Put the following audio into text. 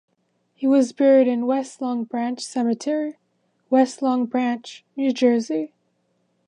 He was buried in West Long Branch Cemetery, West Long Branch, New Jersey.